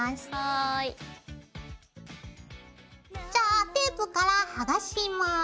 じゃあテープから剥がします。